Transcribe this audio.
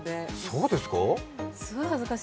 そうですか？